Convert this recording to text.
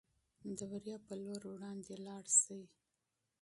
د بریا په لور وړاندې لاړ شئ.